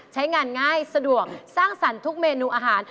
ใช้งานง่ายสะดวกสร้างสรรค์ทุกเมนูอาหาร